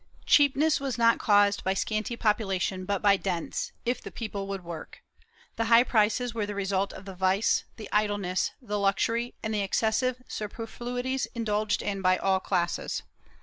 Cheapness was not caused by scanty population but by dense, if the people would work; the high prices were the result of the vice, the idle ness, the luxury and the excessive superfluities indulged in by all classes.